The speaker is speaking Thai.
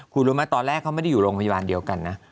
คุณรู้ไหมตอนแรกเขาไม่ได้อยู่โรงพยาบาลเดียวกันนะ